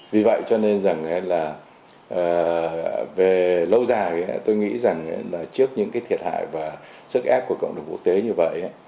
vì vậy cho nên rằng là về lâu dài tôi nghĩ rằng là trước những cái thiệt hại và sức ép của cộng đồng quốc tế như vậy